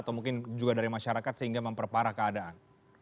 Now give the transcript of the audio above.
atau mungkin juga dari masyarakat sehingga memperparah keadaan